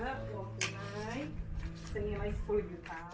ada juga uang tunai senilai sepuluh juta